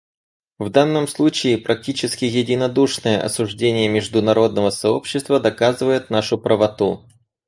В данном случае практически единодушное осуждение международного сообщества доказывает нашу правоту.